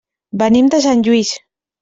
Venim de Sant Lluís.